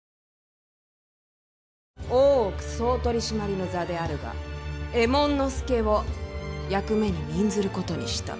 大奥総取締の座であるが右衛門佐を役目に任ずることにした。